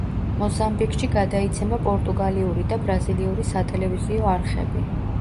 მოზამბიკში გადაიცემა პორტუგალიური და ბრაზილიური სატელევიზიო არხები.